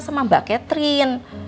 sama mbak catherine